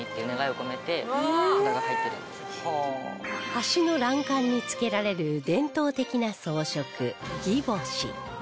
橋の欄干に付けられる伝統的な装飾擬宝珠